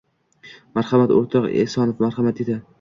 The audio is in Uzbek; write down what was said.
— Marhamat, o‘rtoq Esonov, marhamat! — dedi.